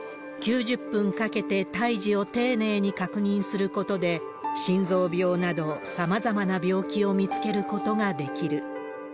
９０分かけて胎児を丁寧に確認することで、心臓病など、さまざまな病気を見つけることができる。